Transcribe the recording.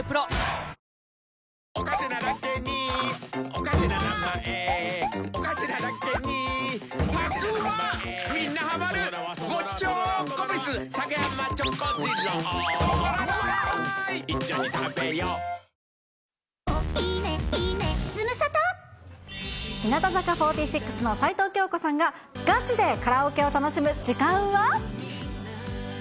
オールインワン日向坂４６の齊藤京子さんが、ガチでカラオケを楽しむ時間は？